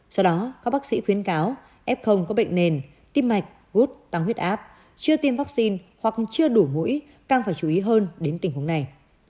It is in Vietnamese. do đó các bác sĩ khuyến cáo f có bệnh nền tim mạch gút tăng huyết áp chưa tiêm vaccine hoặc chưa đủ mũi càng phải chú ý hơn đến tình huống này